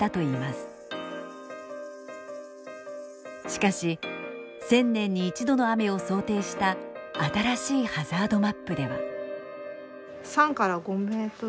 しかし１０００年に１度の雨を想定した新しいハザードマップでは。